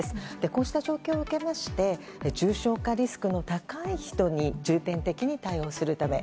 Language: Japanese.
こうした状況を受けまして重症化リスクの高い人に重点的に対応するため。